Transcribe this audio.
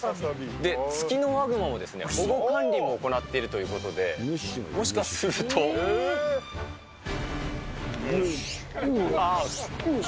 で、ツキノワグマも保護管理も行っているということで、よおし、うぉっし。